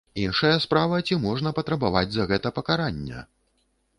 Іншая справа, ці можна патрабаваць за гэта пакарання?